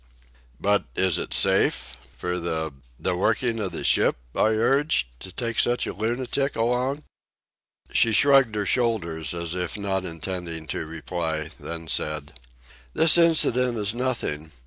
"But is it safe ... for the ... the working of the ship," I urged, "to take such a lunatic along?" She shrugged her shoulders, as if not intending to reply, then said: "This incident is nothing.